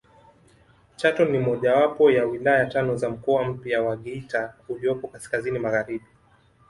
Chato ni mojawapo ya wilaya tano za mkoa mpya wa Geita uliopo kaskazini magharibi